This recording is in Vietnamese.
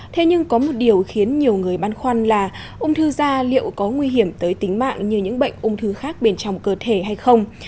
thế nhưng có một điều khiến nhiều người băn khoăn là ung thư da liệu có nguy hiểm tới tính mạng như những bệnh ung thư khác bên trong cơ thể hay không